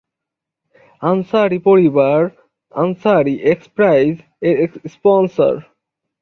আনসারি পরিবার Ansari X prize এর sponsor.